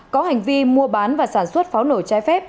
có hành vi mua bán và sản xuất pháo nổ trái phép